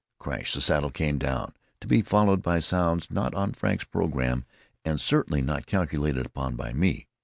Crash! the saddle came down, to be followed by sounds not on Frank's programme and certainly not calculated upon by me.